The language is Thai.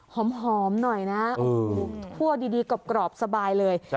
หอมหน่อยนะคั่วดีกรอบสบายเลย